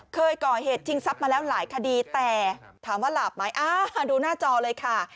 เคยก่อเหตุชิงทรัพย์มาแล้วหลายคดีแต่ถามว่าหลาบไหมอ่าดูหน้าจอเลยค่ะ